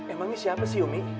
emang ini siapa sih ummi